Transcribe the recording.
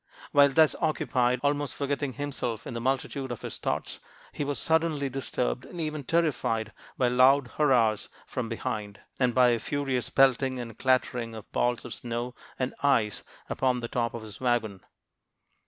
While thus occupied, almost forgetting himself in the multitude of his thoughts, he was suddenly disturbed, and even terrified, by loud hurrahs from behind, and by a furious pelting and clattering of balls of snow and ice upon the top of his wagon.